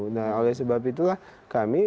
nah oleh sebab itulah kami